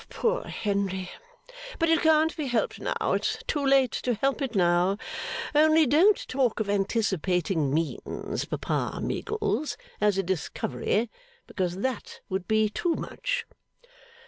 Poor Henry! But it can't be helped now; it's too late to help it now. Only don't talk of anticipating means, Papa Meagles, as a discovery; because that would be too much.